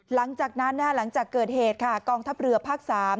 หลังจากนั้นหลังจากเกิดเหตุค่ะกองทัพเรือภาค๓